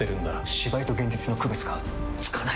芝居と現実の区別がつかない！